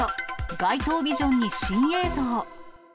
街頭ビジョンに新映像。